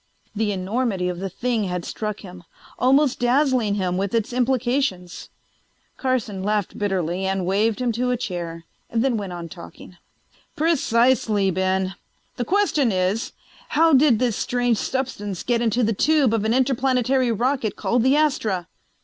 The enormity of the thing had struck him, almost dazzling him with its implications. Carson laughed bitterly and waved him to a chair, then went on talking. "Precisely, Ben. The question is: How did this strange substance get into the tube of an Interplanetary rocket called the Astra?